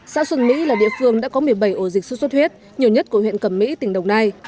xã xuân mỹ là địa phương đã có một mươi bảy ổ dịch xuất xuất huyết nhiều nhất của huyện cẩm mỹ tỉnh đồng nai